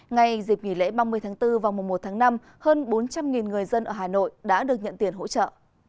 ngay dịp nghỉ lễ ba mươi tháng bốn vào mùa một tháng năm hơn bốn trăm linh người dân ở hà nội đã được nhận tiền hỗ trợ